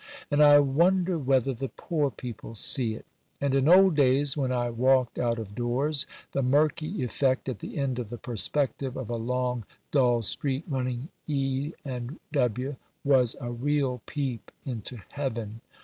And I wonder whether the poor people see it. And in old days when I walked out of doors, the murky effect at the end of the perspective of a long dull street running E. and W. was a real peep into heaven.